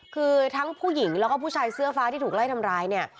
คือทั้งผู้หญิงแล้วก็ผู้ชายเสื้อฟ้าที่ถูกไล่ทำร้ายเนี่ย